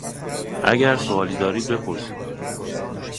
اگر سئوالی دارید بپرسید!